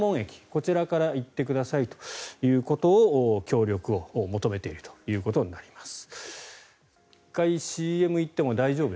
こちらから行ってくださいということを協力を求めているということになります。